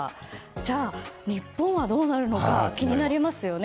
じゃあ、日本はどうなるのか気になりますよね。